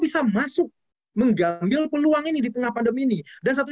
bisa masuk mengambil peluang ini di tengah pandemi ini dan satu